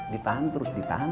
ditahan terus ditahan